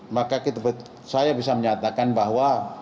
maka saya bisa menyatakan bahwa